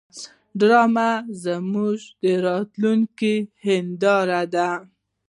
ډرامه زموږ د راتلونکي هنداره ده